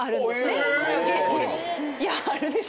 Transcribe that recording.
絶対あるでしょ。